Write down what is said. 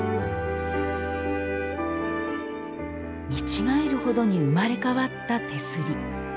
見違える程に生まれ変わった手すり。